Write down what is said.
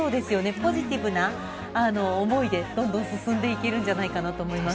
ポジティブな思いでどんどん進んでいけるんじゃないかと思います。